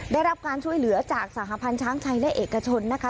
ได้รับการช่วยเหลือจากสหพันธ์ช้างไทยและเอกชนนะคะ